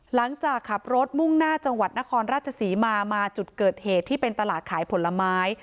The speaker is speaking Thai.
หลังจากขับรถมุ่งหน้าจังหวัดนครราชศรีมามาจุดเกิดเหตุที่เป็นตลาดขายผลไม้